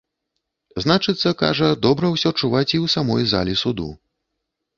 Значыцца, кажа, добра ўсё чуваць і ў самой залі суду.